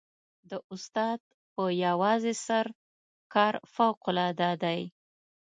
د استاد په یوازې سر کار فوقالعاده دی.